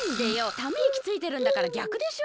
ためいきついてるんだからぎゃくでしょ。